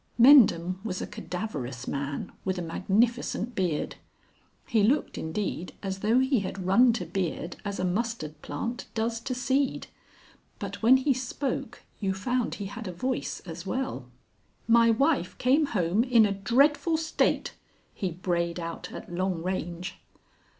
Mendham was a cadaverous man with a magnificent beard. He looked, indeed, as though he had run to beard as a mustard plant does to seed. But when he spoke you found he had a voice as well. "My wife came home in a dreadful state," he brayed out at long range.